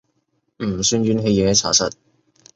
唔算怨氣嘢查實